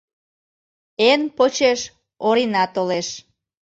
Эн почеш Орина толеш.